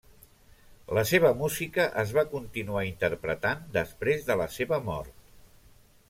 La seva música es va continuar interpretant després de la seva mort.